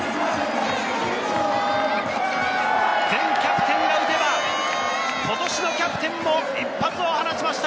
前キャプテンが打てば、今年のキャプテンも一発を放ちました！